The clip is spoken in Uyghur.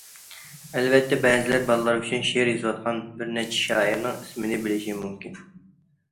ئەلۋەتتە، بەزىلەر بالىلار ئۈچۈن شېئىر يېزىۋاتقان بىر نەچچە شائىرنىڭ ئىسمىنى بىلىشى مۇمكىن.